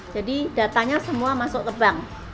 jadi datanya semua masuk ke bank